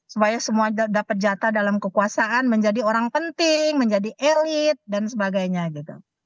supaya semua dapat jatah dalam kekuasaan menjadi orang penting menjadi elit dan sebagainya gitu